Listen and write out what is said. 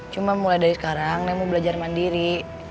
cuma mulai dari sekarang dia mau belajar mandiri